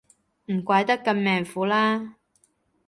唔怪得咁命苦啦